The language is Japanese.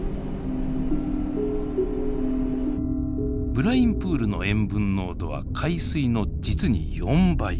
ブラインプールの塩分濃度は海水の実に４倍。